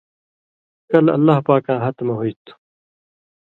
کلہۡ اللہ پاکاں ہتہۡ مہ ہُوئ تُھو،